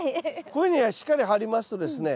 こういうふうにしっかり張りますとですね